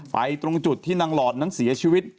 ตรงจุดที่นางหลอดนั้นเสียชีวิต